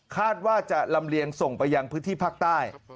คาดว่าจะลำเลียงส่งไปยังพื้นที่ภาคใต้